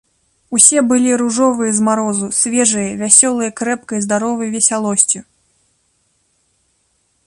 Усе былі ружовыя з марозу, свежыя, вясёлыя крэпкай, здаровай весялосцю.